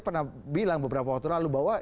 pernah bilang beberapa waktu lalu bahwa